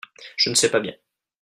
je ne sais pas bien.